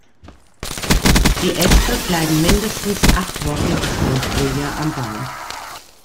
Die Äste bleiben mindestens acht Wochen bis zum Frühjahr am Baum.